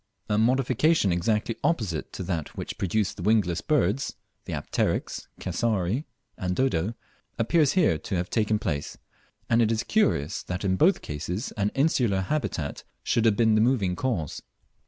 A modification exactly opposite to that which produced the wingless birds (the Apteryx, Cassowary, and Dodo), appears to have here taken place; and it is curious that in both cases an insular habitat should have been the moving cause.